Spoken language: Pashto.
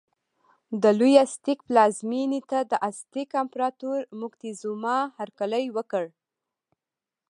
د لوی ازتېک پلازمېنې ته د ازتک امپراتور موکتیزوما هرکلی وکړ.